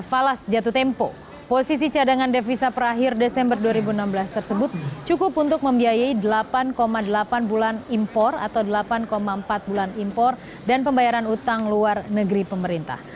falas jatuh tempo posisi cadangan devisa perakhir desember dua ribu enam belas tersebut cukup untuk membiayai delapan delapan bulan impor atau delapan empat bulan impor dan pembayaran utang luar negeri pemerintah